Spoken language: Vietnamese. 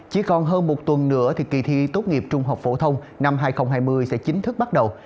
chỉ còn hơn một tuần nữa thì kỳ thi tốt nghiệp trung học phổ thông năm hai nghìn hai mươi sẽ chính thức bắt đầu